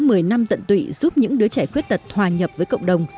hơn một mươi năm tận tụy giúp những đứa trẻ khuyết tật hòa nhập với cộng đồng